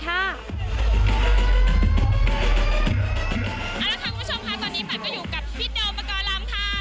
เอาละค่ะคุณผู้ชมค่ะตอนนี้ปัดก็อยู่กับพี่โดมประกอบลำค่ะ